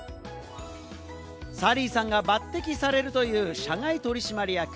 サリーさんが抜擢されるという社外取締役。